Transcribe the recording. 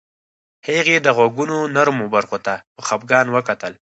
هغې د غوږونو نرمو برخو ته په خفګان وکتل